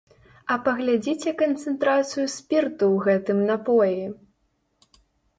А паглядзіце канцэнтрацыю спірту ў гэтым напоі!